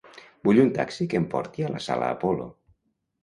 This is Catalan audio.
Vull un taxi que em porti a la sala Apolo.